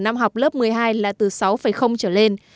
năm học lớp một mươi hai là từ sáu trở lên